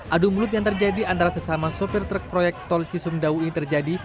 adu mulut yang terjadi antara sesama sopir truk proyek tol cisumdawu ini terjadi